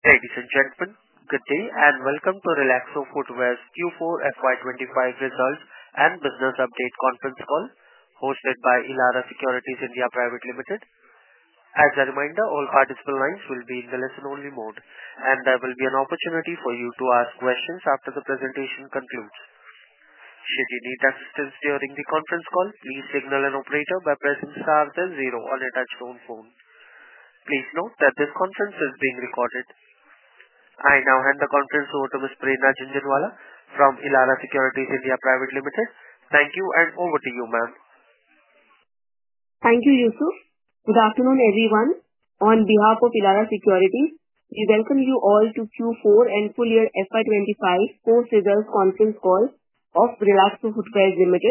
Ladies and gentlemen, good day and welcome to Relaxo Footwears Q4 FY25 Results and Business Update Conference Call, hosted by Elara Securities India Private Ltd. As a reminder, all participant lines will be in the listen-only mode, and there will be an opportunity for you to ask questions after the presentation concludes. Should you need assistance during the conference call, please signal an operator by pressing star zero on a touch-tone phone. Please note that this conference is being recorded. I now hand the conference over to Ms. Prerna Jhunjhunwala from Elara Securities India Pvt. Ltd. Thank you, and over to you, ma'am. Thank you, Yusuf. Good afternoon, everyone. On behalf of Elara Securities, we welcome you all to Q4 and full year FY2025 post-results conference call of Relaxo Footwears Ltd.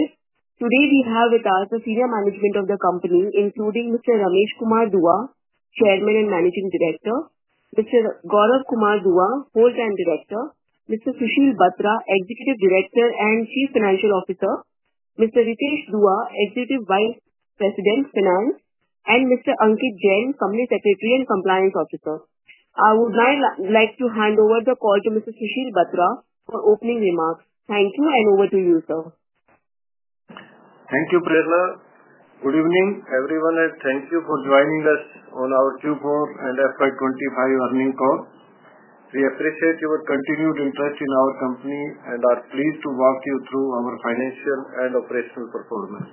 Today, we have with us the senior management of the company, including Mr. Ramesh Kumar Dua, Chairman and Managing Director; Mr. Gaurav Kumar Dua, Wholesale Director; Mr. Sushil Batra, Executive Director and Chief Financial Officer; Mr. Ritesh Dua, Executive Vice President Finance; and Mr. Ankit Jain, Company Secretary and Compliance Officer. I would now like to hand over the call to Mr. Sushil Batra for opening remarks. Thank you, and over to you, sir. Thank you, Prerna. Good evening, everyone, and thank you for joining us on our Q4 and FY2025 earnings call. We appreciate your continued interest in our company and are pleased to walk you through our financial and operational performance.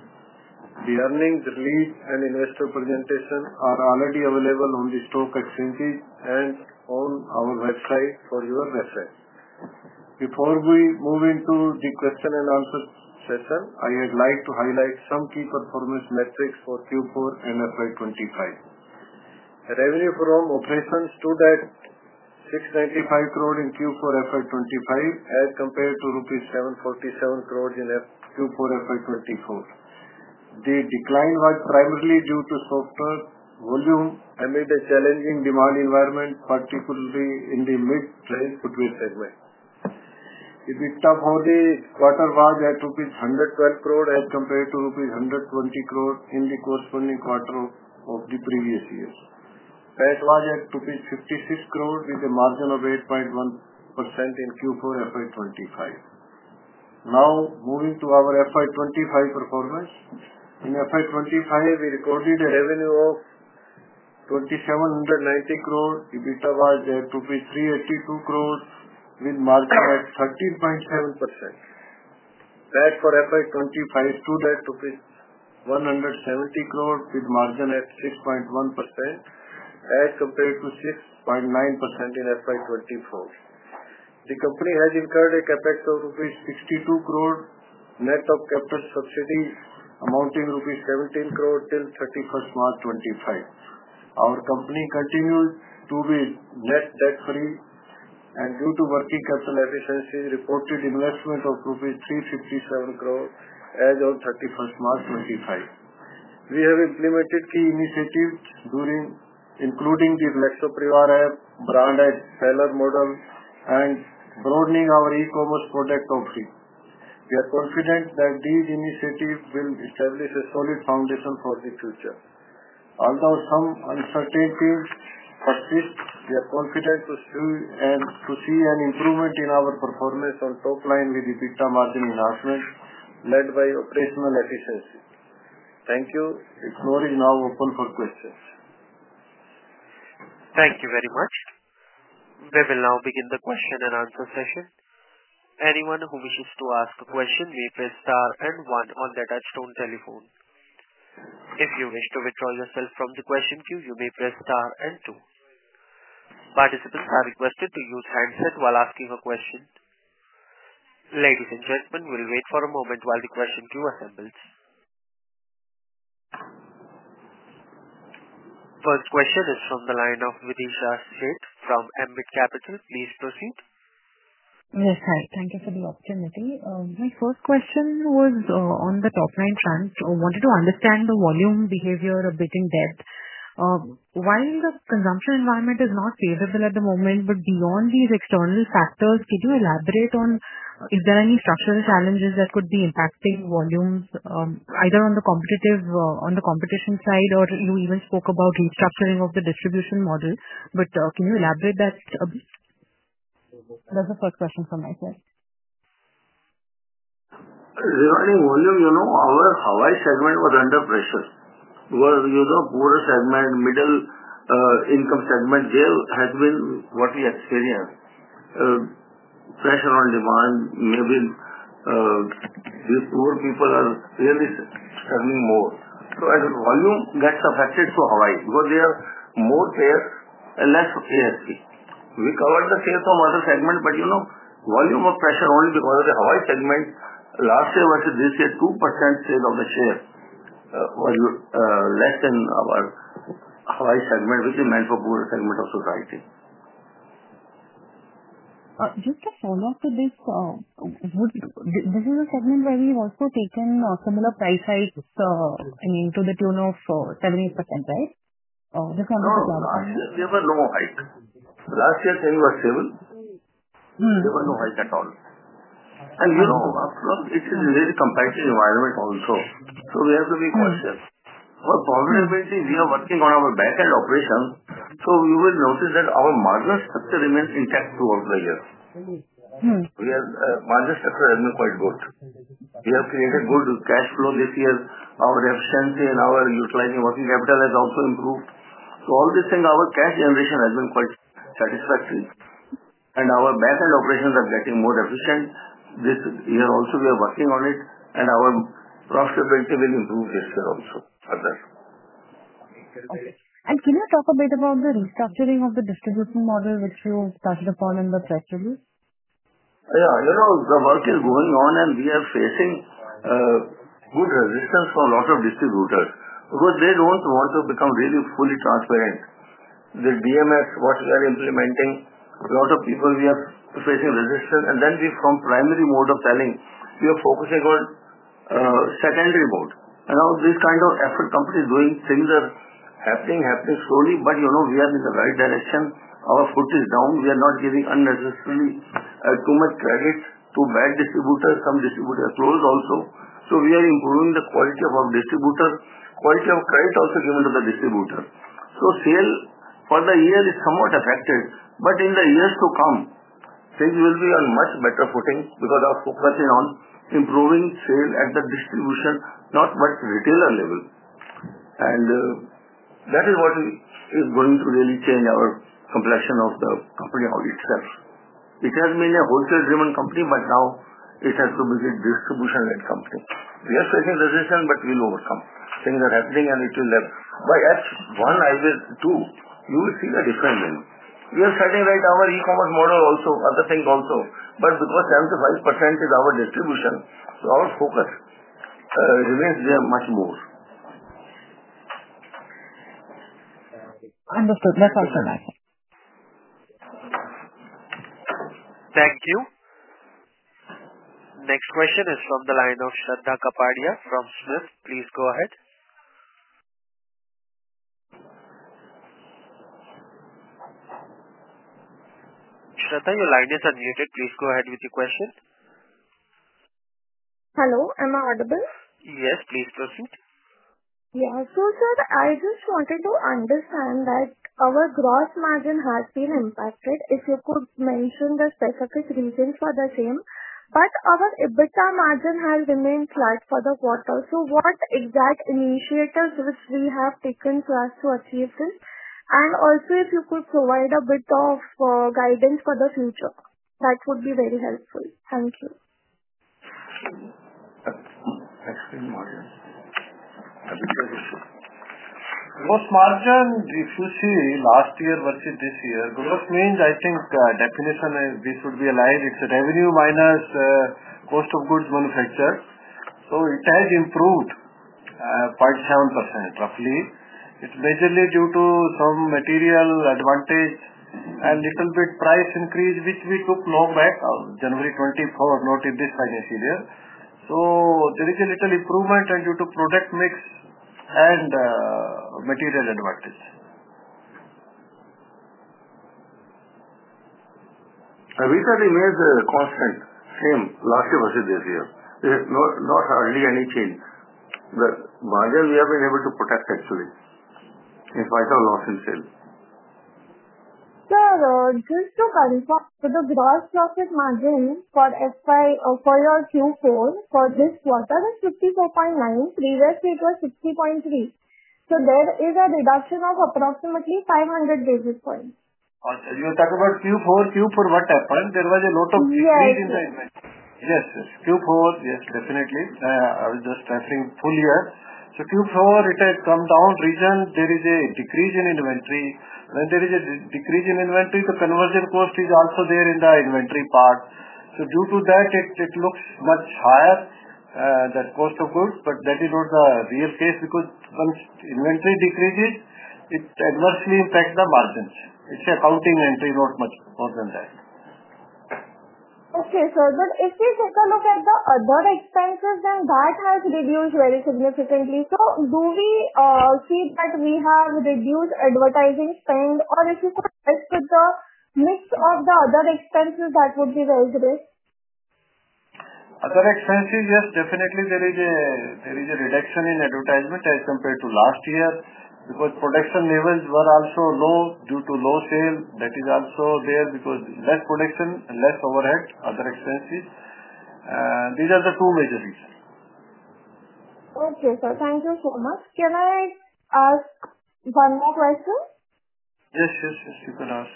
The earnings release and investor presentation are already available on the stock exchanges and on our website for your reference. Before we move into the question and answer session, I would like to highlight some key performance metrics for Q4 and FY2025. Revenue from operations stood at INR 6.95 billion in Q4 FY2025 as compared to INR 7.47 billion in Q4 FY2024. The decline was primarily due to softer volume amid a challenging demand environment, particularly in the mid-range footwear segment. The big top volume quarter was at rupees 1.12 billion as compared to rupees 1.20 billion in the corresponding quarter of the previous year. PAT was at 560 million with a margin of 8.1% in Q4 FY25. Now, moving to our FY25 performance. In FY25, we recorded a revenue of 2,790 crore. EBITDA was at 3,820 million with a margin of 13.7%. PAT for FY25 stood at INR 1,700 million with a margin of 6.1% as compared to 6.9% in FY24. The company has incurred a capex of rupees 620 million net of capital subsidy, amounting to rupees 170 million till 31st March 2025. Our company continued to be net debt-free, and due to working capital efficiency, reported investment of rupees 3,570 million as of 31st March 2025. We have implemented key initiatives including the Relaxo Parivaar App as a seller model and broadening our e-commerce product offering. We are confident that these initiatives will establish a solid foundation for the future. Although some uncertainties persist, we are confident to see an improvement in our performance on top line with EBITDA margin enhancement led by operational efficiency. Thank you. The floor is now open for questions. Thank you very much. We will now begin the question and answer session. Anyone who wishes to ask a question may press star and one on the touch-tone telephone. If you wish to withdraw yourself from the question queue, you may press star and two. Participants are requested to use handset while asking a question. Ladies and gentlemen, we will wait for a moment while the question queue assembles. First question is from the line of Videesha Sheth from Ambit Capital. Please proceed. Yes, hi. Thank you for the opportunity. My first question was on the top line trend. I wanted to understand the volume behavior of Relaxo Footwears. While the consumption environment is not favorable at the moment, but beyond these external factors, could you elaborate on is there any structural challenges that could be impacting volumes either on the competition side, or you even spoke about restructuring of the distribution model? Could you elaborate that? That's the first question from my side. There are any volume. Our Hawai segment was under pressure. The poorer segment, middle-income segment, there has been what we experienced. Pressure on demand maybe these poor people are really struggling more. As a volume, that's affected to Hawai because they are more shares and less ASP. We covered the shares from other segments, but volume of pressure only because of the Hawai segment last year versus this year, 2% share of the share was less than our Hawai segment, which is meant for poorer segment of society. Just to follow up to this, this is a segment where we've also taken similar price hikes to the tune of 70%, right? Just wanted to clarify. There were no hikes. Last year, things were stable. There were no hikes at all. It is a very competitive environment also. We have to be cautious. Probably because we are working on our back-end operations, you will notice that our margin structure remains intact throughout the year. Margin structure has been quite good. We have created good cash flow this year. Our efficiency in utilizing working capital has also improved. All these things, our cash generation has been quite satisfactory. Our back-end operations are getting more efficient. This year also, we are working on it, and our profitability will improve this year also. Can you talk a bit about the restructuring of the distribution model which you started upon in the press release? Yeah. The work is going on, and we are facing good resistance from a lot of distributors because they do not want to become really fully transparent. The DMS, what we are implementing, a lot of people we are facing resistance. From primary mode of selling, we are focusing on secondary mode. This kind of effort company is doing, things are happening, happening slowly. We are in the right direction. Our foot is down. We are not giving unnecessarily too much credit to bad distributors. Some distributors are closed also. We are improving the quality of our distributor, quality of credit also given to the distributor. Sale for the year is somewhat affected, but in the years to come, things will be on much better footing because of focusing on improving sale at the distribution, not retailer level. That is what is going to really change our complexion of the company itself. It has been a wholesale-driven company, but now it has to be a distribution-led company. We are facing resistance, but we'll overcome. Things are happening, and it will happen. By H1, I will do, you will see the difference. We are setting right our e-commerce model also, other things also. Because 75% is our distribution, our focus remains there much more. Understood. That's all for my side. Thank you. Next question is from the line of Shraddha Kapadia from SMIFS. Please go ahead. Shraddha, your line is unmuted. Please go ahead with your question. Hello. Am I audible? Yes, please proceed. Yeah. Shraddha, I just wanted to understand that our gross margin has been impacted. If you could mention the specific reasons for the same. Our EBITDA margin has remained flat for the quarter. What exact initiatives have we taken for us to achieve this? If you could provide a bit of guidance for the future, that would be very helpful. Thank you. Gross margin, if you see last year versus this year, gross means, I think definition is we should be aligned. It's revenue minus cost of goods manufactured. So it has improved 0.7% roughly. It's majorly due to some material advantage and little bit price increase, which we took long back January 2024, not in this financial year. So there is a little improvement due to product mix and material advantage. EBITDA remains constant, same last year versus this year. There is not hardly any change. The margin we have been able to protect, actually, in spite of loss in sale. Sir, just to confirm, the gross profit margin for your Q4 for this quarter is 64.9%. Previously, it was 60.3%. There is a reduction of approximately 500 basis points. You talk about Q4, Q4 what happened? There was a lot of decrease in the inventory. Yes, yes. Q4, yes, definitely. I was just pressing full year. Q4, it has come down. Reason there is a decrease in inventory. When there is a decrease in inventory, the conversion cost is also there in the inventory part. Due to that, it looks much higher, the cost of goods. That is not the real case because once inventory decreases, it adversely impacts the margins. It is accounting entry, not much more than that. Okay, sir. If we take a look at the other expenses, then that has reduced very significantly. Do we see that we have reduced advertising spend, or if you could just put the mix of the other expenses, that would be very great. Other expenses, yes, definitely there is a reduction in advertisement as compared to last year because production levels were also low due to low sale. That is also there because less production, less overhead, other expenses. These are the two major reasons. Okay, sir. Thank you so much. Can I ask one more question? Yes, yes. You can ask.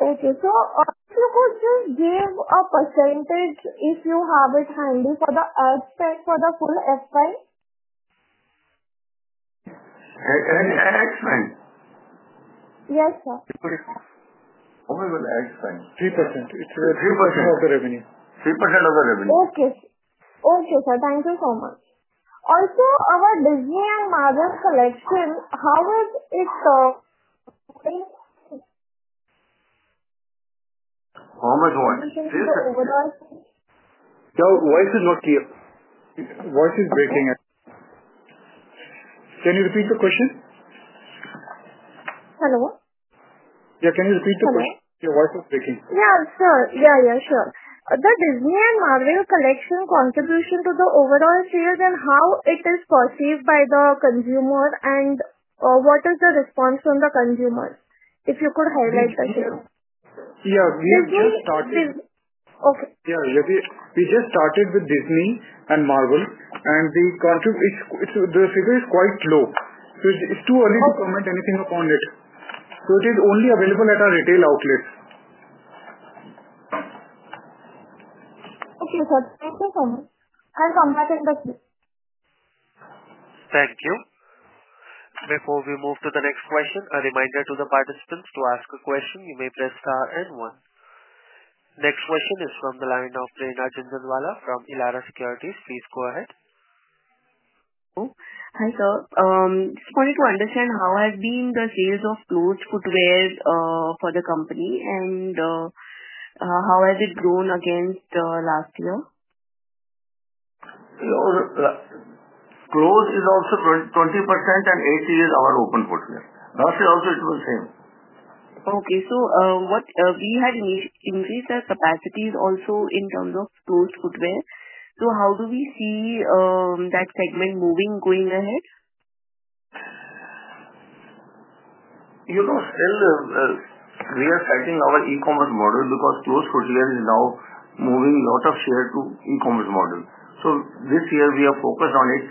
Okay. So if you could just give a percentage, if you have it handy, for the FSEC for the full F5? X9. Yes, sir. How many will X9? 3%. It's 3% of the revenue. 3% of the revenue. Okay. Okay, sir. Thank you so much. Also, our Disney and Marvel collection, how is it? How much voice? Your voice is not clear. Voice is breaking. Can you repeat the question? Hello? Yeah. Can you repeat the question? Your voice is breaking. Yeah, sure. The Disney and Marvel collection contribution to the overall sales and how it is perceived by the consumer, and what is the response from the consumers? If you could highlight the sale. Yeah. We just started. Okay. Yeah. We just started with Disney and Marvel, and the figure is quite low. It is too early to comment anything upon it. It is only available at our retail outlets. Okay, sir. Thank you so much. I'll contact the team. Thank you. Before we move to the next question, a reminder to the participants to ask a question. You may press star and one. Next question is from the line of Prerna Jhunjhunwala from Elara Securities. Please go ahead. Hi, sir. Just wanted to understand how have been the sales of closed footwear for the company, and how has it grown against last year? Close is also 20%, and 80% is our open footwear. Last year, also, it was the same. Okay. So we had increased our capacities also in terms of closed footwear. How do we see that segment moving going ahead? Still, we are setting our e-commerce model because closed footwear is now moving a lot of share to e-commerce model. This year, we are focused on it.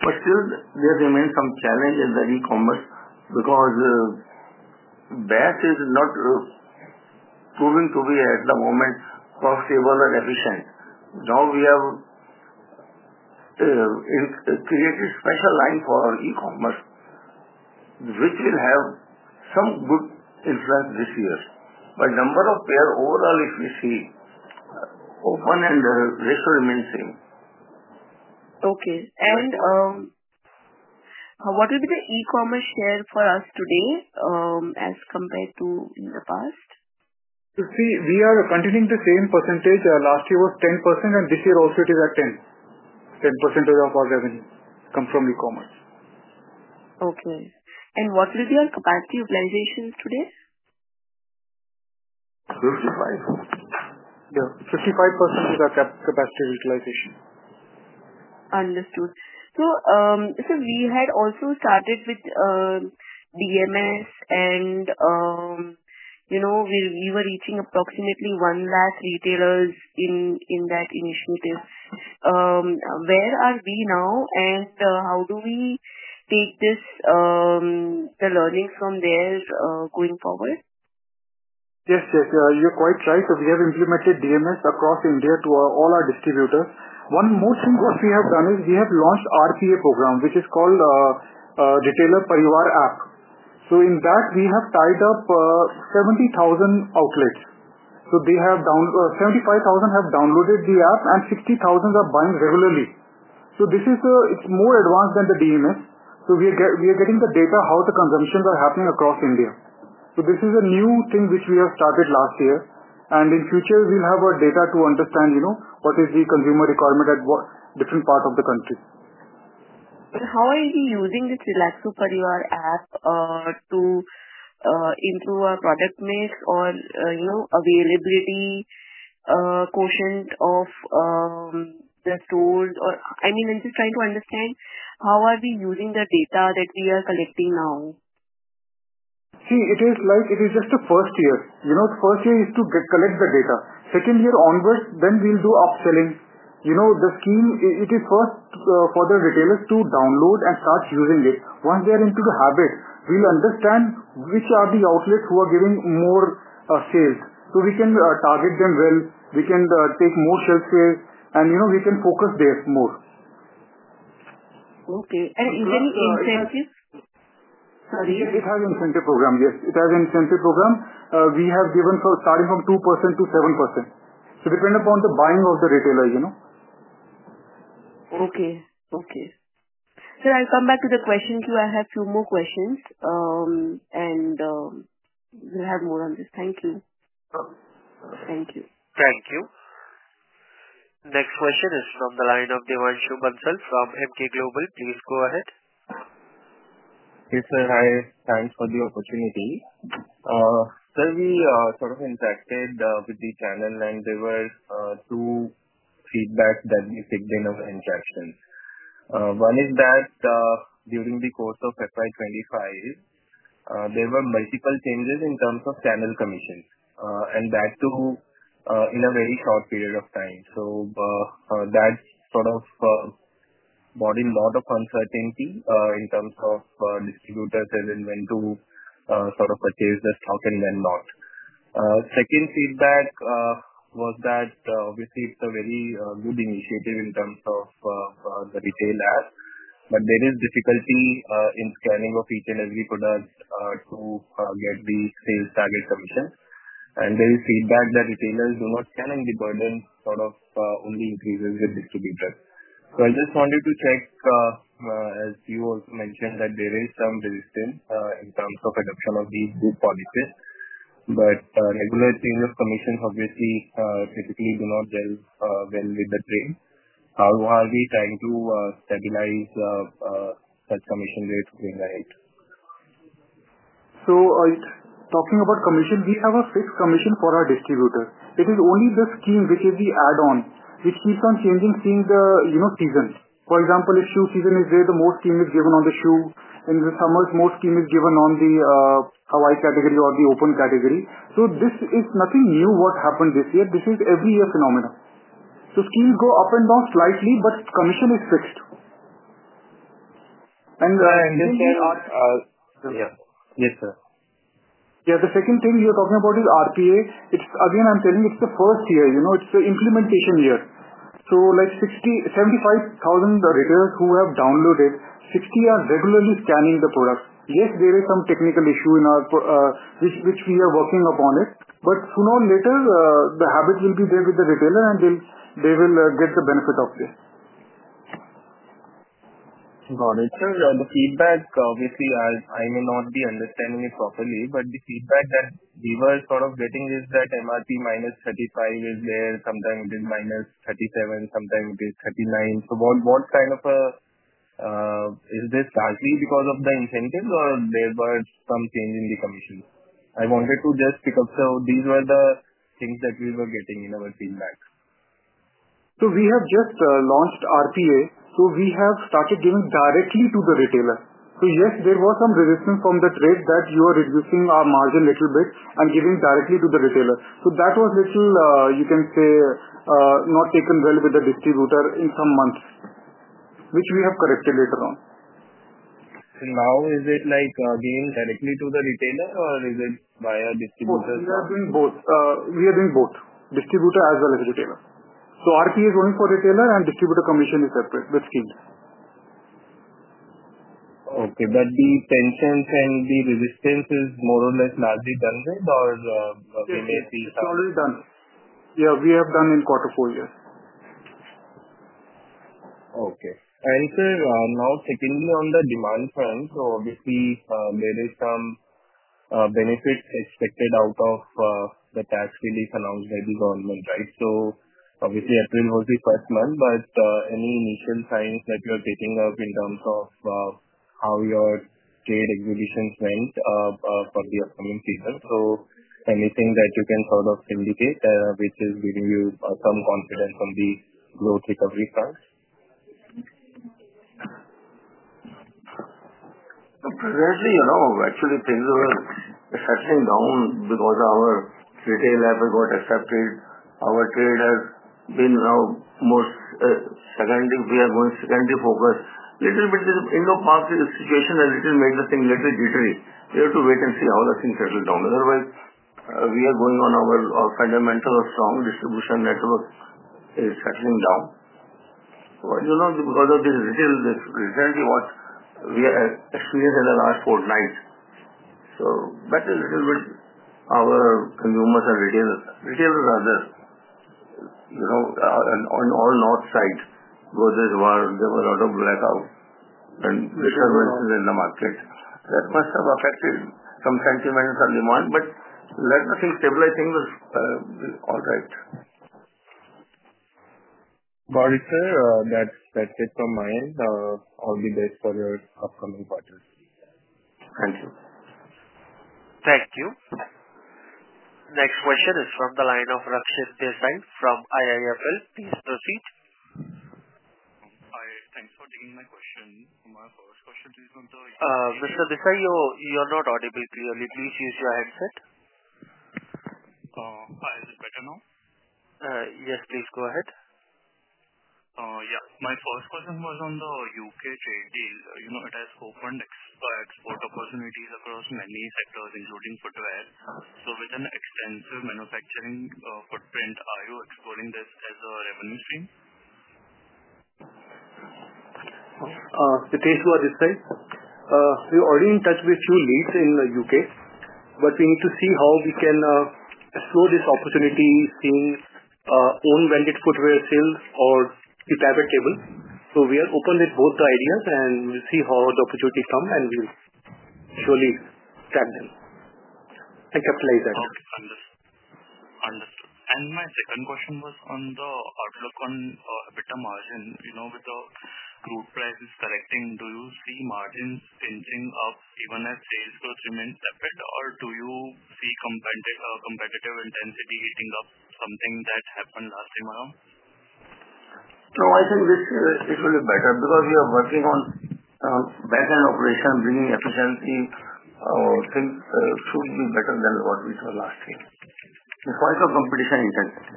Still, there remains some challenge in the e-commerce because ASP is not proving to be at the moment profitable and efficient. Now we have created special line for e-commerce, which will have some good influence this year. Number of pairs overall, if you see, open and ratio remains same. Okay. What will be the e-commerce share for us today as compared to in the past? See, we are continuing the same percentage. Last year was 10%, and this year also it is at 10%. 10% of our revenue comes from e-commerce. Okay. What will be our capacity utilization today? Yeah. 55% is our capacity utilization. Understood. So we had also started with DMS, and we were reaching approximately 1 lakh retailers in that initiative. Where are we now, and how do we take the learnings from there going forward? Yes, yes. You're quite right. We have implemented DMS across India to all our distributors. One more thing we have done is we have launched the RPA program, which is called Retailer Parivaar App. In that, we have tied up 70,000 outlets. Seventy-five thousand have downloaded the app, and 60,000 are buying regularly. This is more advanced than the DMS. We are getting the data on how the consumptions are happening across India. This is a new thing which we started last year. In future, we'll have our data to understand what is the consumer requirement at different parts of the country. How are you using this Relaxo Parivaar App into our product mix or availability quotient of the stores? I mean, I'm just trying to understand how are we using the data that we are collecting now? See, it is just the first year. First year is to collect the data. Second year onwards, then we'll do upselling. The scheme, it is first for the retailers to download and start using it. Once they are into the habit, we'll understand which are the outlets who are giving more sales. We can target them well. We can take more shelf space, and we can focus there more. Okay. Is there any incentive? It has incentive program, yes. It has incentive program. We have given for starting from 2% to 7%. So depend upon the buying of the retailer. Okay. Okay. Sir, I'll come back to the question queue. I have a few more questions, and we'll have more on this. Thank you. Thank you. Thank you. Next question is from the line of Devanshu Bansal from MK Global. Please go ahead. Yes, sir. Hi. Thanks for the opportunity. Sir, we sort of interacted with the channel, and there were two feedbacks that we picked in our interactions. One is that during the course of FY 2025, there were multiple changes in terms of channel commissions, and that too in a very short period of time. That sort of brought in a lot of uncertainty in terms of distributors as in when to sort of purchase the stock and when not. Second feedback was that, obviously, it's a very good initiative in terms of the retail app, but there is difficulty in scanning of each and every product to get the sales target commission. There is feedback that retailers do not scan, and the burden sort of only increases with distributors. I just wanted to check, as you also mentioned, that there is some resistance in terms of adoption of these good policies. Regular change of commissions, obviously, typically do not delve well with the trade. How are we trying to stabilize such commission rates going ahead? Talking about commission, we have a fixed commission for our distributor. It is only the scheme, which is the add-on, which keeps on changing seeing the season. For example, if shoe season is there, the most scheme is given on the shoe. In the summer, most scheme is given on the Hawai category or the open category. This is nothing new what happened this year. This is every year phenomenon. Schemes go up and down slightly, but commission is fixed. Sorry, I'm just saying on. Yes, sir. Yeah. The second thing you're talking about is RPA. Again, I'm telling you, it's the first year. It's the implementation year. So 75,000 retailers who have downloaded, 60 are regularly scanning the products. Yes, there is some technical issue in our which we are working upon it. Sooner or later, the habit will be there with the retailer, and they will get the benefit of this. Got it. The feedback, obviously, I may not be understanding it properly, but the feedback that we were sort of getting is that MRP minus 35 is there. Sometime it is minus 37. Sometime it is 39. What kind of a is this largely because of the incentives, or there was some change in the commission? I wanted to just pick up. These were the things that we were getting in our feedback. We have just launched RPA. We have started giving directly to the retailer. Yes, there was some resistance from the trade that you are reducing our margin a little bit and giving directly to the retailer. That was little, you can say, not taken well with the distributor in some months, which we have corrected later on. Is it again directly to the retailer, or is it via distributor? We are doing both. We are doing both, distributor as well as retailer. RPA is only for retailer, and distributor commission is separate with schemes. Okay. Are the tensions and the resistance more or less largely done with, or they may be? It's already done. Yeah. We have done in quarter four years. Okay. Sir, now secondly on the demand front, obviously, there is some benefit expected out of the tax relief announced by the government, right? Obviously, April was the first month, but any initial signs that you are picking up in terms of how your trade exhibitions went for the upcoming season? Anything that you can sort of indicate which is giving you some confidence on the growth recovery front? Currently, no. Actually, things are settling down because our retail app got accepted. Our trade has been now more secondary. We are going secondary focus. A little bit in the past, the situation made the thing a little jittery. We have to wait and see how the thing settles down. Otherwise, we are going on our fundamental strong distribution network is settling down. Because of the retail, this is currently what we experienced in the last four nights. That is a little bit our consumers and retailers. Retailers are there. On all north side, there were a lot of blackouts and disturbances in the market. That must have affected some sentiments and demand, let the thing stabilize. Things will be all right. Got it, sir. That's it from my end. All the best for your upcoming quarter. Thank you. Thank you. Next question is from the line of Rakshit Desai from IIFL. Please proceed. Hi. Thanks for taking my question. My first question is on the. Mr. Desai, you are not audible clearly. Please use your headset. Hi. Is it better now? Yes, please go ahead. Yeah. My first question was on the U.K. trade deal. It has opened export opportunities across many sectors, including footwear. With an extensive manufacturing footprint, are you exploring this as a revenue stream? Hi. Ritesh Dua this side. We are already in touch with a few leads in the U.K., but we need to see how we can explore this opportunity seeing own-branded footwear sales or the tablet table. We are open with both the ideas, and we will see how the opportunities come, and we will surely track them and capitalize that. Okay. Understood. Understood. My second question was on the outlook on EBITDA margin. With the crude prices correcting, do you see margins inching up even as sales growth remains separate, or do you see competitive intensity heating up? Something that happened last time around? No, I think this will be better because we are working on back-end operation, bringing efficiency. Things should be better than what we saw last year. It's quite a competition intensity.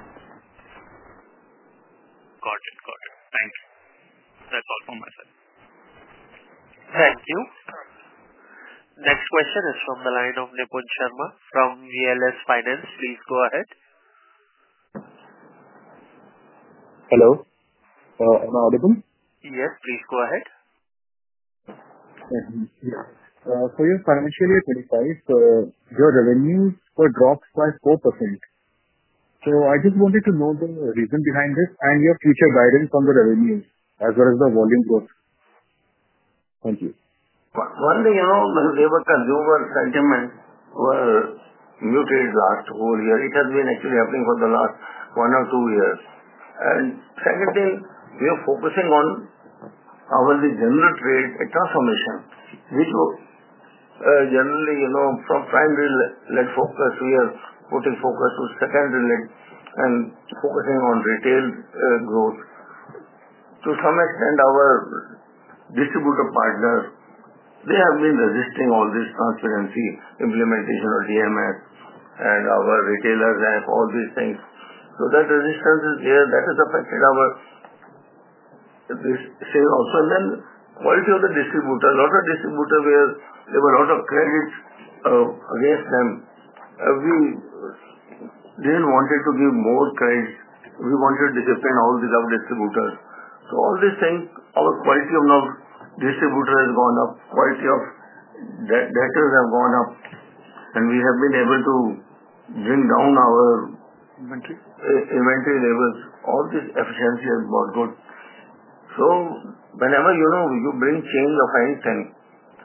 Got it. Got it. Thank you. That's all from my side. Thank you. Next question is from the line of Nipun Sharma from VLS Finance. Please go ahead. Hello. Am I audible? Yes, please go ahead. For your financial 2025, your revenues were dropped by 4%. I just wanted to know the reason behind this and your future guidance on the revenues as well as the volume growth. Thank you. One thing, you know, the labor consumer sentiment was muted last whole year. It has been actually happening for the last one or two years. Second thing, we are focusing on our general trade transformation, which generally from primary-led focus, we are putting focus to secondary-led and focusing on retail growth. To some extent, our distributor partners, they have been resisting all this transparency implementation of DMS and our retailers and all these things. That resistance is there. That has affected our sales also. Then quality of the distributor, a lot of distributors, there were a lot of credits against them. We did not want to give more credit. We wanted to discipline all the other distributors. All these things, our quality of distributor has gone up. Quality of data has gone up, and we have been able to bring down our inventory levels. All this efficiency has brought good. Whenever you bring change of anything,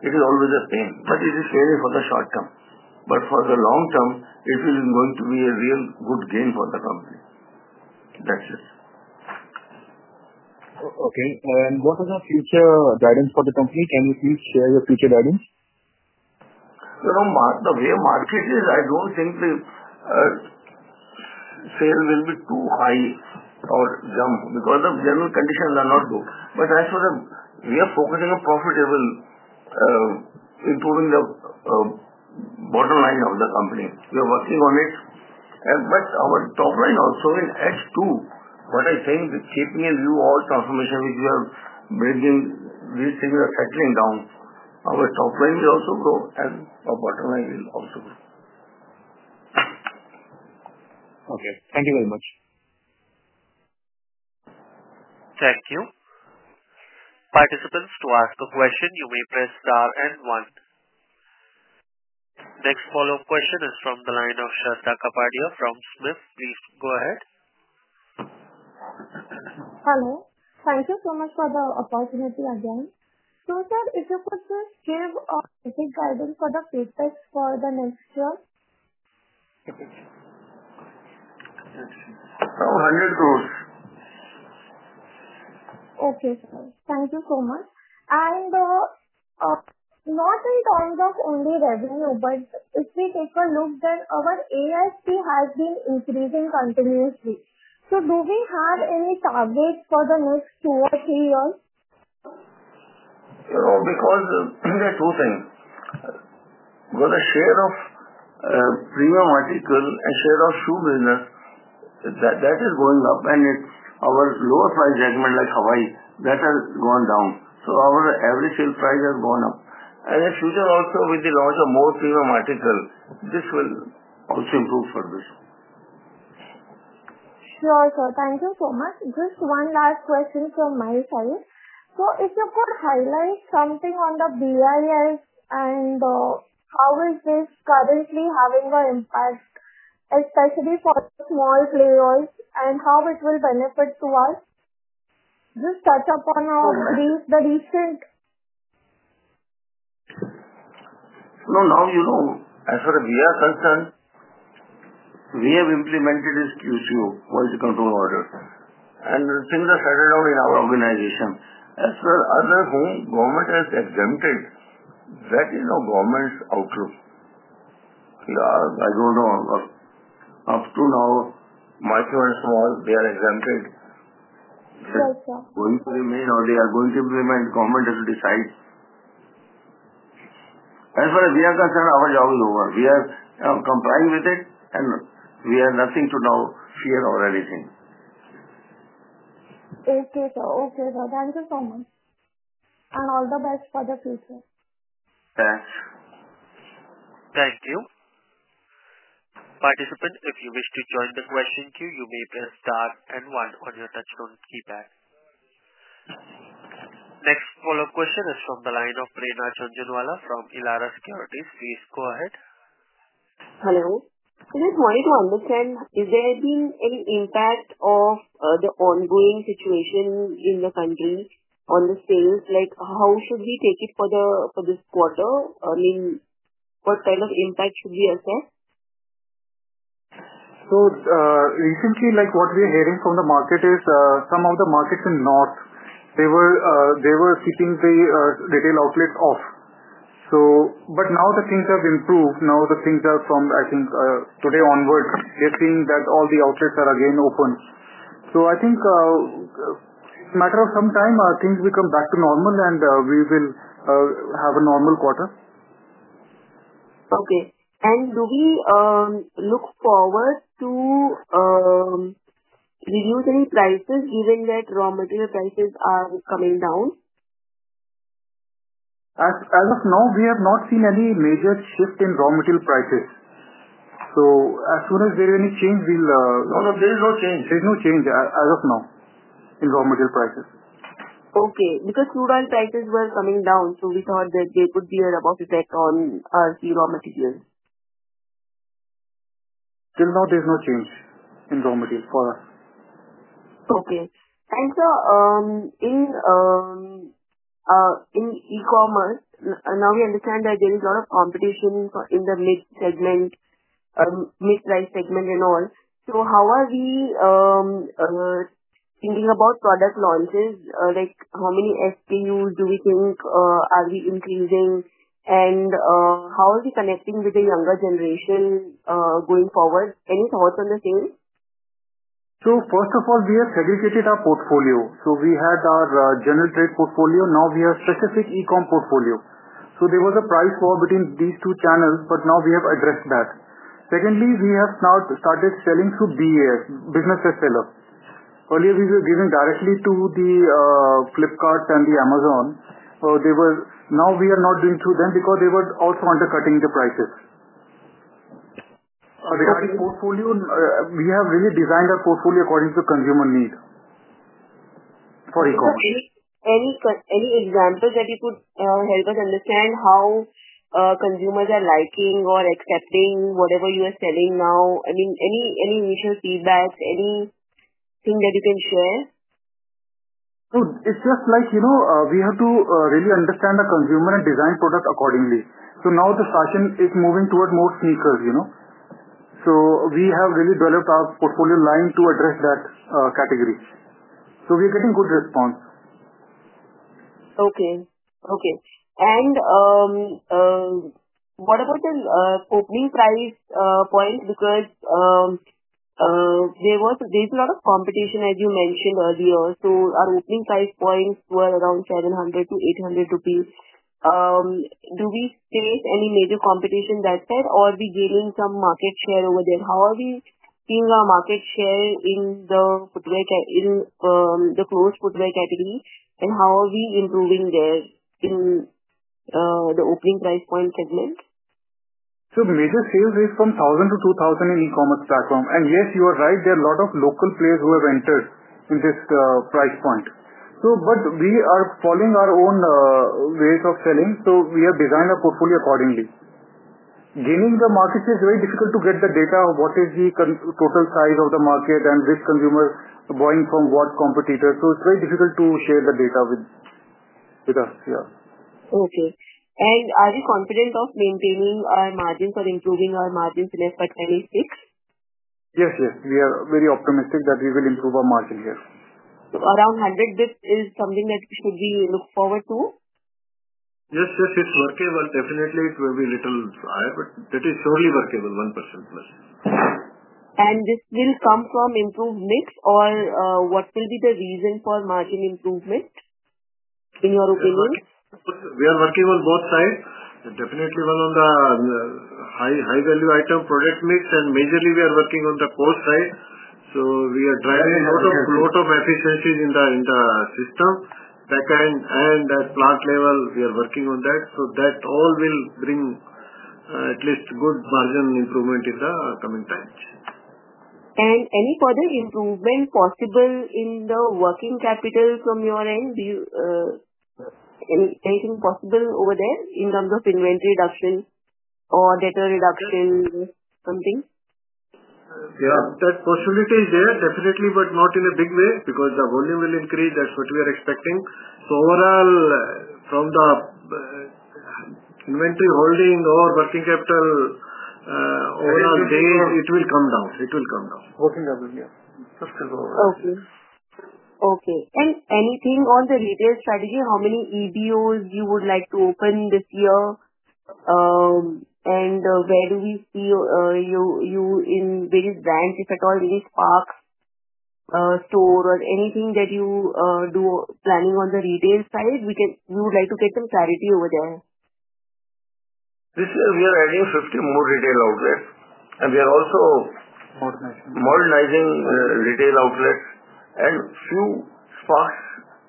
it is always a pain, but it is pain for the short term. For the long term, it is going to be a real good gain for the company. That's it. Okay. What is the future guidance for the company? Can you please share your future guidance? The way market is, I don't think the sale will be too high or jump because the general conditions are not good. As for the we are focusing on profitable, improving the bottom line of the company. We are working on it. Our top line also in edge too, what I think keeping in view all transformation which we are bringing, these things are settling down. Our top line will also grow, and our bottom line will also grow. Okay. Thank you very much. Thank you. Participants, to ask a question, you may press star and one. Next follow-up question is from the line of Shraddha Kapadia from SMIFS. Please go ahead. Hello. Thank you so much for the opportunity again. Sir, if you could just give a basic guidance for the prospects for the next year. Around INR 100 crore. Okay, sir. Thank you so much. Not in terms of only revenue, but if we take a look, then our ASP has been increasing continuously. Do we have any targets for the next two or three years? Because there are two things. Because the share of premium article and share of shoe business, that is going up, and our lower price segment like Hawai, that has gone down. So our average sale price has gone up. In future also, with the launch of more premium article, this will also improve for this. Sure, sir. Thank you so much. Just one last question from my side. If you could highlight something on the BIS and how is this currently having an impact, especially for small players and how it will benefit to us? Just touch upon the recent. As for the BIS concern, we have implemented this QCO, Quality Control Order. Things are settled down in our organization. As for others whom government has exempted, that is now government's outlook. I do not know. Up to now, micro and small, they are exempted. Sure, sir. Going to remain or they are going to implement, government has to decide. As for the BIS concern, our job is over. We are complying with it, and we have nothing to now fear or anything. Okay, sir. Thank you so much. All the best for the future. Thanks. Thank you. Participant, if you wish to join the question queue, you may press star and one on your touchstone keypad. Next follow-up question is from the line of Prerna Jhunjhunwala from Elara Securities. Please go ahead. Hello. We just wanted to understand, is there being any impact of the ongoing situation in the country on the sales? How should we take it for this quarter? I mean, what kind of impact should we assess? Recently, what we are hearing from the market is some of the markets in north, they were keeping the retail outlets off. Now the things have improved. Now the things are from, I think, today onward, they're seeing that all the outlets are again open. I think it's a matter of some time, things will come back to normal, and we will have a normal quarter. Okay. Do we look forward to reducing prices given that raw material prices are coming down? As of now, we have not seen any major shift in raw material prices. As soon as there is any change, we'll. No, no. There is no change. There is no change as of now in raw material prices. Okay. Because crude oil prices were coming down, we thought that there could be a rub-off effect on our raw material. Till now, there is no change in raw material for us. Okay. Sir, in e-commerce, now we understand that there is a lot of competition in the mid-segment, mid-price segment and all. How are we thinking about product launches? How many SKUs do we think are we increasing? How are we connecting with the younger generation going forward? Any thoughts on the sales? First of all, we have segregated our portfolio. We had our general trade portfolio. Now we have specific e-com portfolio. There was a price war between these two channels, but now we have addressed that. Secondly, we have now started selling through BAS, business bestseller. Earlier, we were giving directly to Flipkart and Amazon. Now we are not doing through them because they were also undercutting the prices. We have really designed our portfolio according to consumer need. Sorry, go ahead. Any examples that you could help us understand how consumers are liking or accepting whatever you are selling now? I mean, any initial feedback, anything that you can share? It's just like we have to really understand the consumer and design product accordingly. Now the fashion is moving toward more sneakers. We have really developed our portfolio line to address that category. We are getting good response. Okay. Okay. What about the opening price point? Because there is a lot of competition, as you mentioned earlier. Our opening price points were around 700-800 rupees. Do we face any major competition there, or are we gaining some market share over there? How are we seeing our market share in the closed footwear category, and how are we improving there in the opening price point segment? Major sales is from 1,000-2,000 in e-commerce platform. Yes, you are right. There are a lot of local players who have entered in this price point. We are following our own ways of selling, so we have designed our portfolio accordingly. Gaining the market is very difficult to get the data of what is the total size of the market and which consumers are buying from what competitors. It is very difficult to share the data with us here. Okay. Are you confident of maintaining our margins or improving our margins in FY 2026? Yes, yes. We are very optimistic that we will improve our margin here. Around 100 basis points is something that we should look forward to? Yes, yes. It's workable. Definitely, it will be a little higher, but that is surely workable, 1% plus. Will this come from improved mix, or what will be the reason for margin improvement in your opinion? We are working on both sides. Definitely one of the high-value item product mix, and majorly we are working on the cost side. We are driving a lot of efficiencies in the system back end and at plant level. We are working on that. That all will bring at least good margin improvement in the coming times. Is any further improvement possible in the working capital from your end? Anything possible over there in terms of inventory reduction or data reduction, something? Yeah. That possibility is there, definitely, but not in a big way because the volume will increase. That's what we are expecting. Overall, from the inventory holding or working capital, overall gain, it will come down. It will come down. Working capital, yes. That's still going to work. Okay. Okay. Anything on the retail strategy? How many EBOs would you like to open this year? Where do we see you in various brands, if at all, any Sparx store or anything that you are planning on the retail side? We would like to get some clarity over there. This year, we are adding 50 more retail outlets. We are also modernizing retail outlets and a few Sparx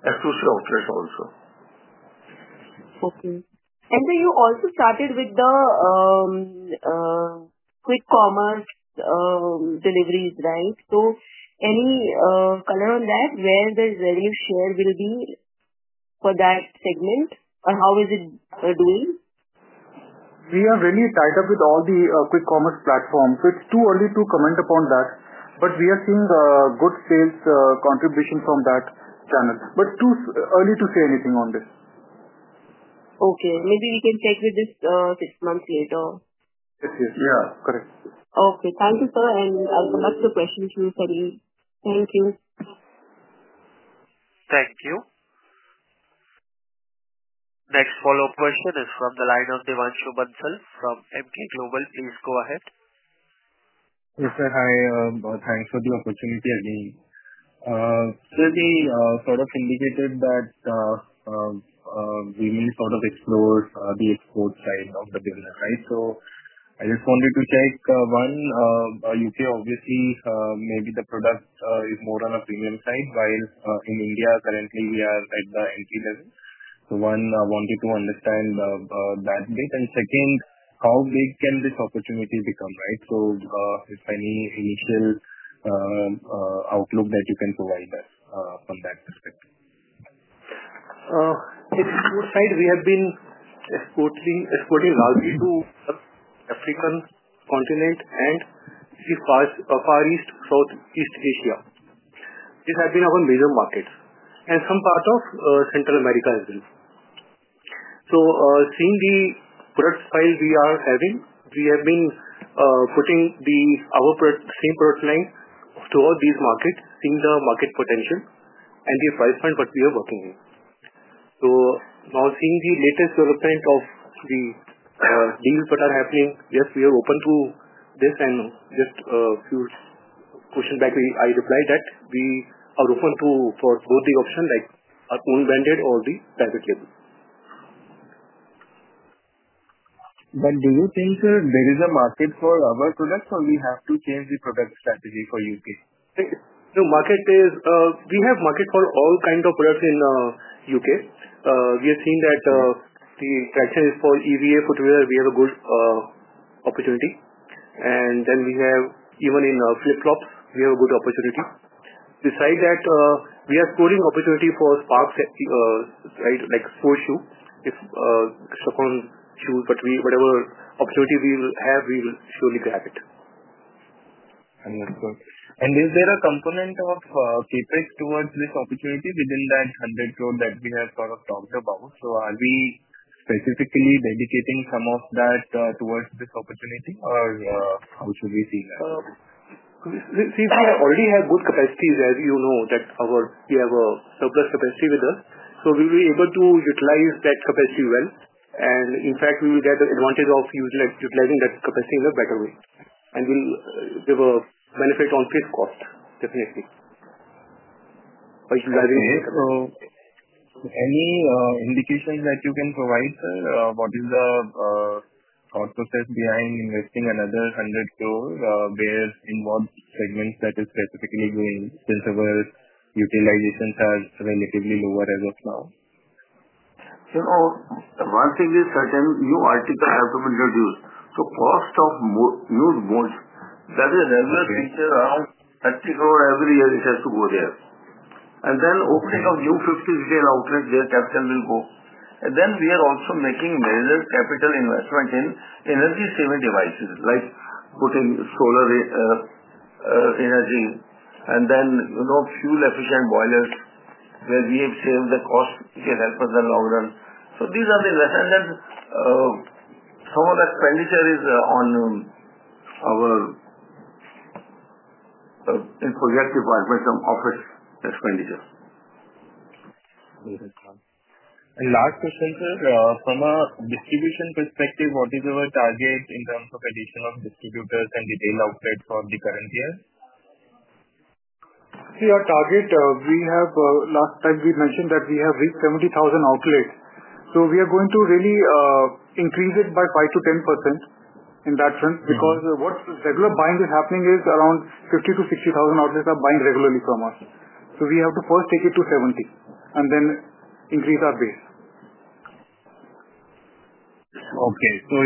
S2C outlets also. Okay. You also started with the quick commerce deliveries, right? Any color on that? Where the value share will be for that segment? How is it doing? We are really tied up with all the quick commerce platforms. It is too early to comment upon that. We are seeing good sales contribution from that channel. It is too early to say anything on this. Okay. Maybe we can check with this six months later. Yes, yes. Yeah. Correct. Okay. Thank you, sir. I will come back to the questions you sent me. Thank you. Thank you. Next follow-up question is from the line of Devanshu Bansal from Emkay Global. Please go ahead. Yes, sir. Hi. Thanks for the opportunity again. Sir, we sort of indicated that we may sort of explore the export side of the business, right? I just wanted to check. One, U.K., obviously, maybe the product is more on a premium side, while in India, currently, we are at the entry level. One, I wanted to understand that bit. Second, how big can this opportunity become, right? If any initial outlook that you can provide us from that perspective. Export side, we have been exporting raw G2 to the African continent and Far East, Southeast Asia. These have been our major markets. And some part of Central America as well. Seeing the product file we are having, we have been putting our same product line toward these markets, seeing the market potential and the price point what we are working in. Now, seeing the latest development of the deals that are happening, yes, we are open to this. Just a few questions back, I replied that we are open to both the option, like our own branded or the private label. Do you think there is a market for our products, or we have to change the product strategy for U.K.? Market is, we have market for all kinds of products in the U.K. We have seen that the traction is for EVA footwear. We have a good opportunity. Then we have, even in flip-flops, we have a good opportunity. Beside that, we are scoring opportunity for Sparx, right, like sports shoe, extra-form shoes. Whatever opportunity we will have, we will surely grab it. Understood. Is there a component of Capex towards this opportunity within that 100 crore that we have sort of talked about? Are we specifically dedicating some of that towards this opportunity, or how should we see that? See, we already have good capacity, as you know, that we have a surplus capacity with us. We will be able to utilize that capacity well. In fact, we will get the advantage of utilizing that capacity in a better way. We will give a benefit on fixed cost, definitely, by utilizing that capacity. Okay. So any indication that you can provide, sir? What is the thought process behind investing another 100 crore? Where, in what segments, that is specifically going since our utilizations are relatively lower as of now? One thing is certain. New articles have to be introduced. So cost of new goods, that is a regular feature, around INR 30 crore every year, it has to go there. Then opening of new 50 retail outlets, their capital will go. We are also making major capital investment in energy-saving devices, like putting solar energy, and then fuel-efficient boilers, where we have saved the cost. It will help us in the long run. These are the investments. Some of the expenditure is on our projected budget from office expenditure. Last question, sir. From a distribution perspective, what is your target in terms of addition of distributors and retail outlets for the current year? See, our target, we have last time we mentioned that we have reached 70,000 outlets. We are going to really increase it by 5%-10% in that sense because what regular buying is happening is around 50,000-60,000 outlets are buying regularly from us. We have to first take it to 70,000 and then increase our base. Okay. So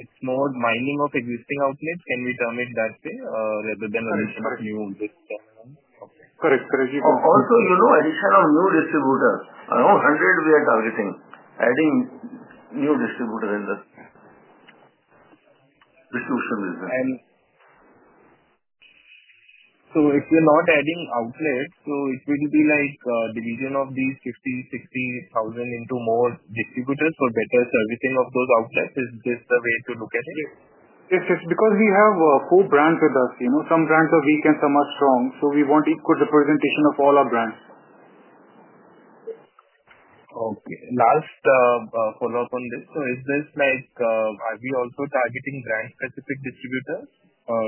it's more mining of existing outlets? Can we term it that way rather than addition of new? Correct. Correct. You can say that. Also, addition of new distributors. We are targeting adding 100 new distributors in the distribution business. If we're not adding outlets, it will be like division of these 50,000-60,000 into more distributors for better servicing of those outlets. Is this the way to look at it? Yes. Yes. Because we have four brands with us. Some brands are weak and some are strong. We want equal representation of all our brands. Okay. Last follow-up on this. Is this like are we also targeting brand-specific distributors, or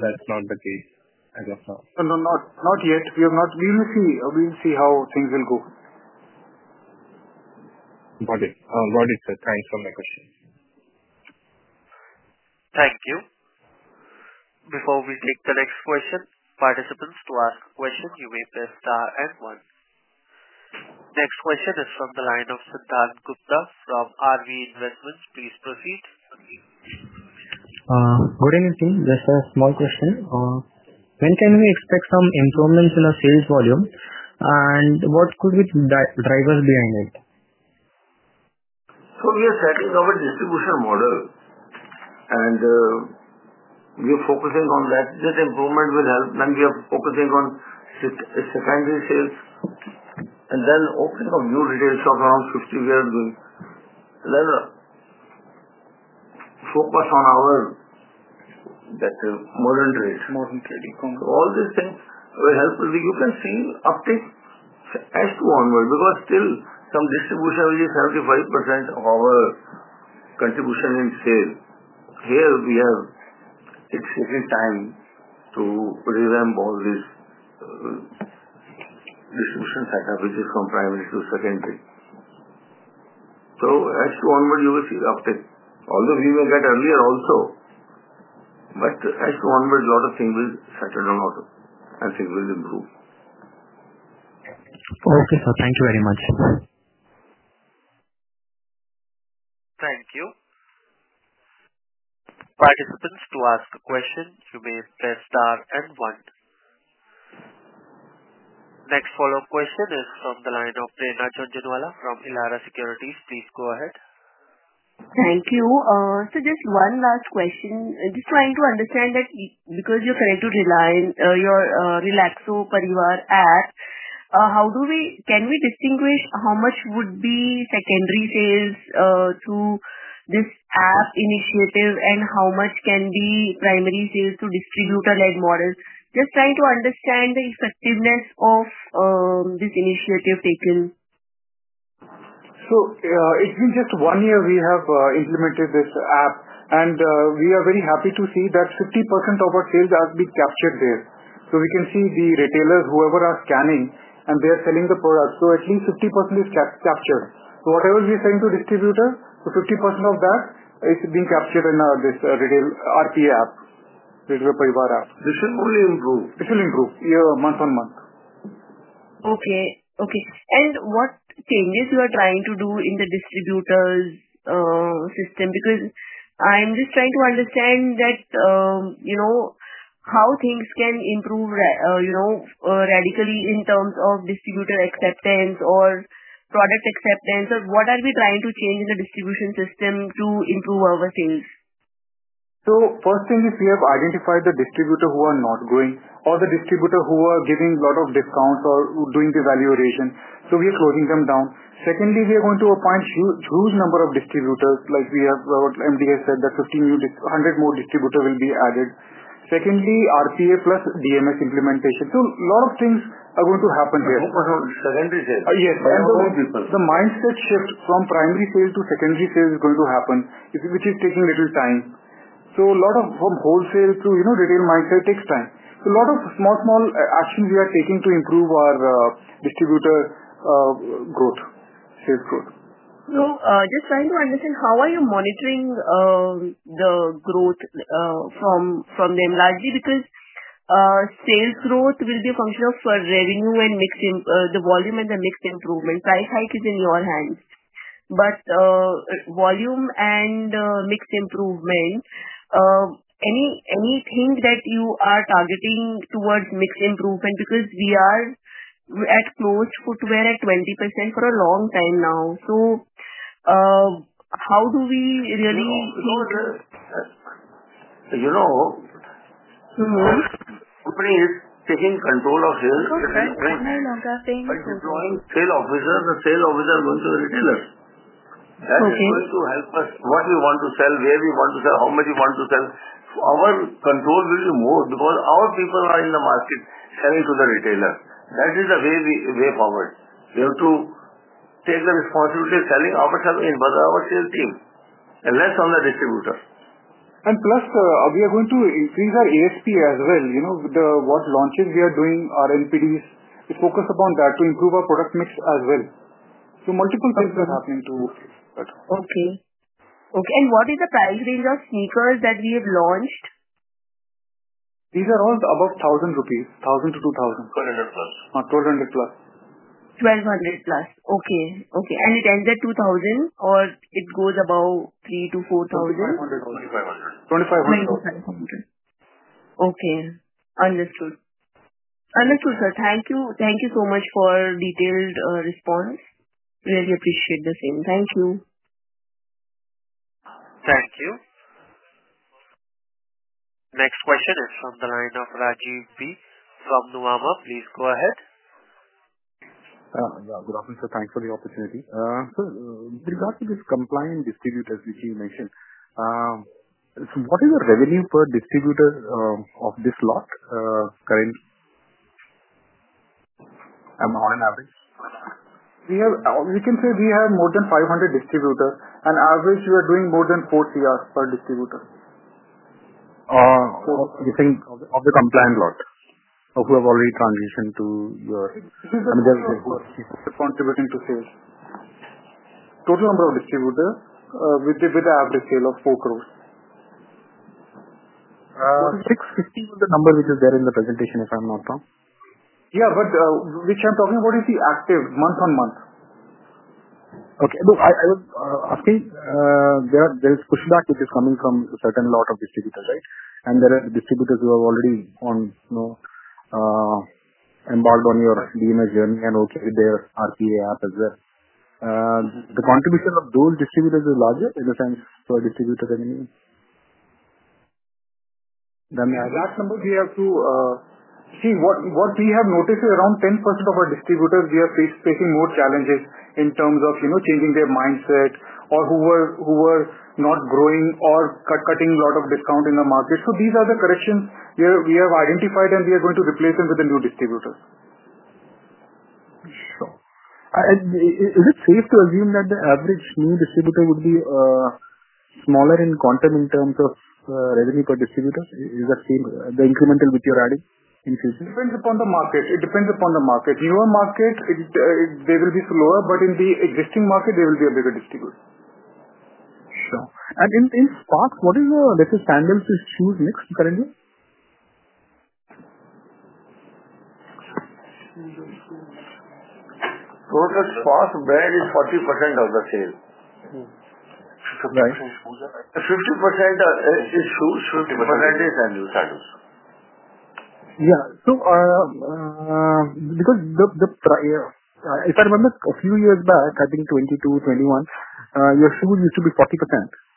that's not the case as of now? No, not yet. We will see how things will go. Got it. Got it, sir. Thanks for my question. Thank you. Before we take the next question, participants to ask a question, you may press star and one. Next question is from the line of Siddhant Gupta from RV Investments. Please proceed. Good evening, team. Just a small question. When can we expect some improvements in our sales volume, and what could be the drivers behind it? We are setting our distribution model, and we are focusing on that. This improvement will help. We are focusing on secondary sales. Opening of new retail shops, around 50, we are doing. Focus on our modern trade. All these things will help to see uptake as to onward because still some distribution is 75% of our contribution in sale. Here, it is taking time to revamp all these distribution setup, which is from primary to secondary. As to onward, you will see uptake. Although we may get earlier also, but as to onward, a lot of things will settle down, and things will improve. Okay, sir. Thank you very much. Thank you. Participants to ask a question, you may press star and one. Next follow-up question is from the line of Prerna Jhunjhunwala from Elara Securities. Please go ahead. Thank you. Just one last question. Just trying to understand that because you're connected to Relaxo Parivaar App, can we distinguish how much would be secondary sales through this app initiative and how much can be primary sales through distributor-led model? Just trying to understand the effectiveness of this initiative taken. It has been just one year we have implemented this app, and we are very happy to see that 50% of our sales has been captured there. We can see the retailers, whoever are scanning, and they are selling the products. At least 50% is captured. Whatever we are selling to distributors, 50% of that is being captured in this RPA app, Retailer Parivaar App. This will only improve. This will improve month on month. Okay. Okay. What changes are you trying to do in the distributors' system? Because I'm just trying to understand how things can improve radically in terms of distributor acceptance or product acceptance. What are we trying to change in the distribution system to improve our sales? First thing is we have identified the distributors who are not going or the distributors who are giving a lot of discounts or doing the value erasion. We are closing them down. Secondly, we are going to appoint a huge number of distributors. Like MDS said, 100 more distributors will be added. Secondly, RPA plus DMS implementation. A lot of things are going to happen here. Secondary sales? Yes. The mindset shift from primary sales to secondary sales is going to happen, which is taking a little time. A lot of wholesale to retail mindset takes time. A lot of small, small actions we are taking to improve our distributor growth, sales growth. Just trying to understand how are you monitoring the growth from them? Largely because sales growth will be a function of revenue and the volume and the mix improvement. Price hike is in your hands. Volume and mix improvement, anything that you are targeting towards mix improvement? We are at close footwear at 20% for a long time now. How do we really? The company is taking control of sales. Sorry, sir. My name is Nagar Singh. You're drawing sales officers. The sales officers are going to the retailers. That is going to help us what we want to sell, where we want to sell, how much we want to sell. Our control will be more because our people are in the market selling to the retailers. That is the way forward. We have to take the responsibility of selling ourselves in front of our sales team and less on the distributor. Plus, we are going to increase our ASP as well. What launches we are doing, our NPDs, we focus upon that to improve our product mix as well. Multiple things are happening too. Okay. Okay. What is the price range of sneakers that we have launched? These are all above 1,000 rupees, 1,000-2,000. 1,200 plus. 1,200 plus. 1,200 plus. Okay. Okay. And it ends at 2,000 or it goes above 3,000-4,000? 2,500. 2,500. 2,500. Okay. Understood. Understood, sir. Thank you. Thank you so much for detailed response. Really appreciate the same. Thank you. Thank you. Next question is from the line of Rajiv B. from Nuvama. Please go ahead. Yeah. Good afternoon, sir. Thanks for the opportunity. Sir, with regard to these compliant distributors which you mentioned, what is the revenue per distributor of this lot currently? I mean on an average. We can say we have more than 500 distributors. On average, we are doing more than 40 million per distributor. Of the compliant lot? Or who have already transitioned to your? He's contributing to sales. Total number of distributors with the average sale of 40 million. 650 was the number which was there in the presentation if I'm not wrong. Yeah. Which I'm talking about is the active month on month. Okay. No, I was asking there is pushback which is coming from a certain lot of distributors, right? There are distributors who are already embarked on your DMS journey and working with their RPA app as well. The contribution of those distributors is larger in the sense for distributor revenue? That number we have to see. What we have noticed is around 10% of our distributors we are facing more challenges in terms of changing their mindset or who were not growing or cutting a lot of discount in the market. These are the corrections we have identified, and we are going to replace them with the new distributors. Sure. Is it safe to assume that the average new distributor would be smaller in quantum in terms of revenue per distributor? Is that the incremental which you're adding in future? It depends upon the market. In your market, they will be slower, but in the existing market, they will be a bigger distributor. Sure. In Sparx, what is the standard shoes mix currently? For Sparx, wear is 40% of the sale. Right. The 50% is shoes. 50%. The rest is sandals. Yeah. Because if I remember a few years back, I think 2022, 2021, your shoes used to be 40%.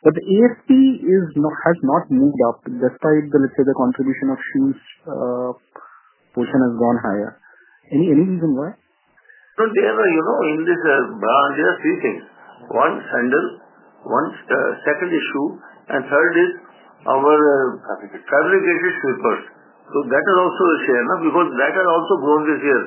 The ASP has not moved up despite the, let's say, the contribution of shoes portion has gone higher. Any reason why? In this brand, there are three things. One is sandals, second is shoes, and third is our fabricated slippers. That is also a share because that has also grown this year,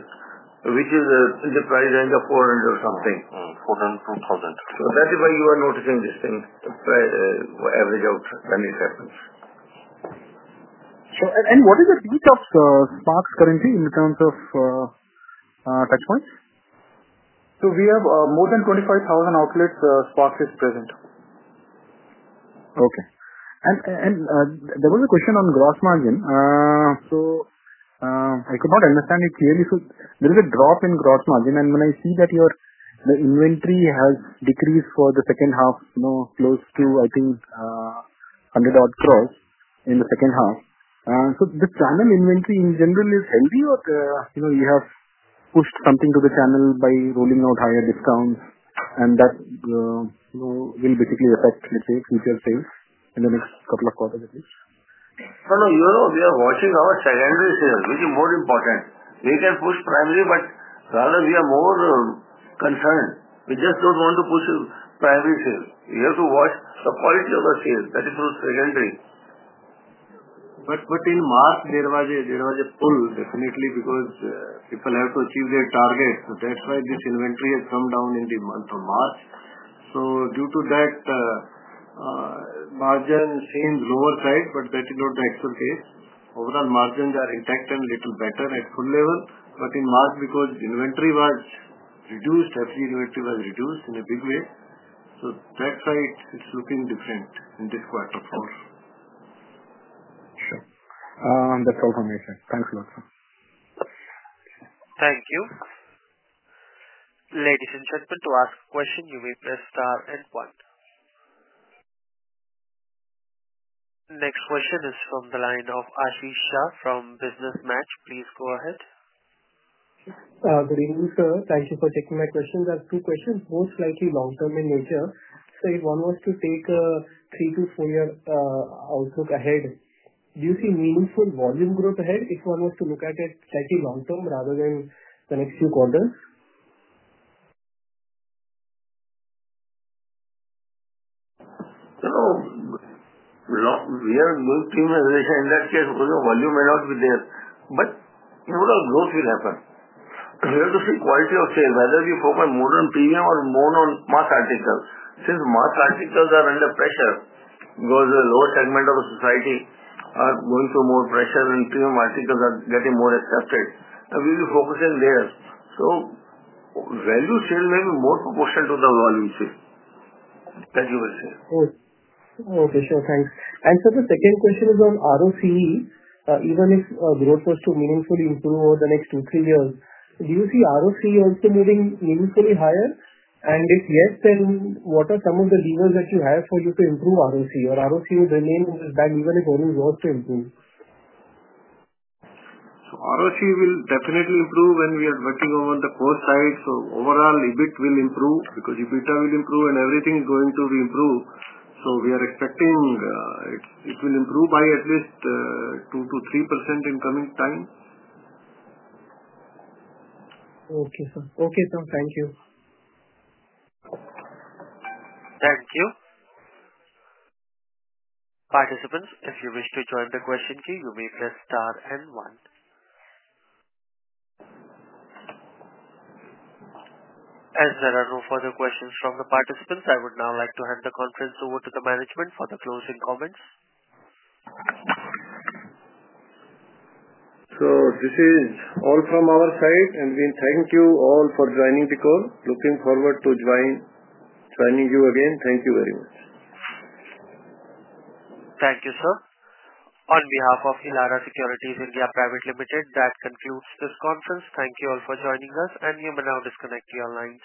which is in the price range of INR 400 or something. INR 400-INR 2,000. That is why you are noticing this thing average out when it happens. Sure. What is the reach of Sparx currently in terms of touchpoints? We have more than 25,000 outlets Sparx is present. Okay. There was a question on gross margin. I could not understand it clearly. There is a drop in gross margin, and when I see that your inventory has decreased for the second half, close to, I think, 100 crore in the second half. The channel inventory in general is healthy, or you have pushed something to the channel by rolling out higher discounts, and that will basically affect, let's say, future sales in the next couple of quarters at least? No, no. We are watching our secondary sales, which is more important. We can push primary, but rather we are more concerned. We just do not want to push primary sales. We have to watch the quality of the sale. That is through secondary. In March, there was a pull, definitely, because people have to achieve their targets. That's why this inventory has come down in the month of March. Due to that, margin seems lower side, but that is not the actual case. Overall, margins are intact and a little better at full level. In March, because inventory was reduced, every inventory was reduced in a big way. That's why it's looking different in this quarter for. Sure. That's all from me, sir. Thanks a lot, sir. Thank you. Ladies and gentlemen, to ask a question, you may press star and one. Next question is from the line of Ashish Shah from Business Match. Please go ahead. Good evening, sir. Thank you for taking my question. There are two questions, both slightly long-term in nature. If one was to take a three to four-year outlook ahead, do you see meaningful volume growth ahead if one was to look at it slightly long-term rather than the next few quarters? We are moving in that case, volume may not be there, but overall growth will happen. We have to see quality of sale, whether we focus more on premium or more on mass articles. Since mass articles are under pressure because the lower segment of the society are going through more pressure and premium articles are getting more accepted, we will be focusing there. Value sales may be more proportional to the volume sale. That you will say. Okay. Sure. Thanks. Sir, the second question is on ROCE. Even if growth was to meaningfully improve over the next two, three years, do you see ROCE also moving meaningfully higher? If yes, then what are some of the levers that you have for you to improve ROCE? Or ROCE will remain in this band even if volume was to improve? ROCE will definitely improve when we are working over the core side. Overall, EBIT will improve because EBITDA will improve, and everything is going to improve. We are expecting it will improve by at least 2-3% in coming time. Okay, sir. Okay, sir. Thank you. Thank you. Participants, if you wish to join the question queue, you may press star and one. As there are no further questions from the participants, I would now like to hand the conference over to the management for the closing comments. This is all from our side, and we thank you all for joining the call. Looking forward to joining you again. Thank you very much. Thank you, sir. On behalf of Elara Securities India Private Limited, that concludes this conference. Thank you all for joining us, and you may now disconnect your lines.